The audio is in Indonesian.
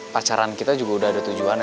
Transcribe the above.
pacaran kita juga udah ada tujuannya